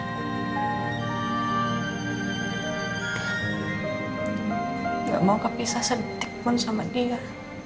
aku gak mau kepisah sedetik pun sama dia